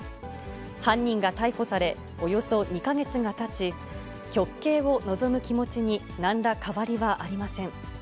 犯人が逮捕され、およそ２か月がたち、極刑を望む気持ちになんら変わりはありません。